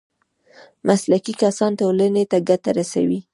مسلکي کسان ټولنې ته ګټه رسوي